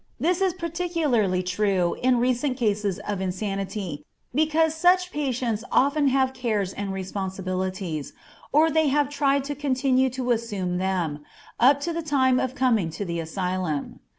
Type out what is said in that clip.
This is particularly true in recent cases of insanity, because such patients often have cares and responsibilities, or they have tried to continue to assume them, up to the time of coming to the asylum.